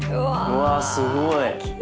うわっすごい。